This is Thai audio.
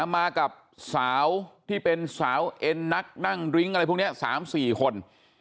มากับสาวที่เป็นสาวเอ็นนักนั่งริ้งอะไรพวกนี้๓๔คน